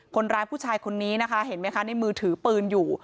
คนร้ายผู้ชายคนนี้นะคะเห็นไหมคะในมือถือปืนอยู่